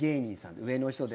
上の人で。